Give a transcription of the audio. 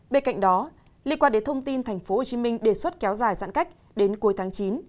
bên cạnh đó liên quan đến thông tin tp hcm đề xuất kéo dài giãn cách đến cuối tháng chín